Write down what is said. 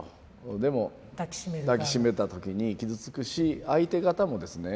でも抱き締めた時に傷つくし相手方もですね